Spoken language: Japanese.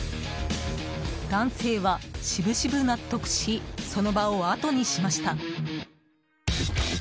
男性は、しぶしぶ納得しその場をあとにしました。